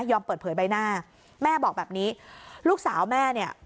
เปิดเผยใบหน้าแม่บอกแบบนี้ลูกสาวแม่เนี่ย